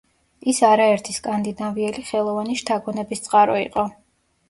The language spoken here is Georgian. ის არაერთი სკანდინავიელი ხელოვანის შთაგონების წყარო იყო.